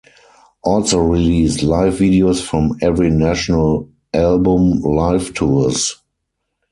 Also released live videos from every national album live tours.